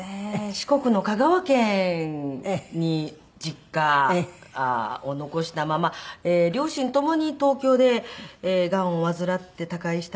四国の香川県に実家を残したまま両親ともに東京でがんを患って他界したんですけれども。